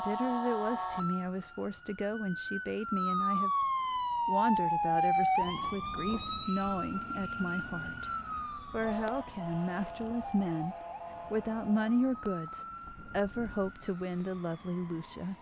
"Bitter as it was to me, I was forced to go when she bade me, and I have wandered about ever since, with grief gnawing at my heart; for how can a masterless man, without money or goods, ever hope to win the lovely Lucia?"